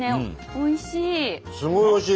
おいしい！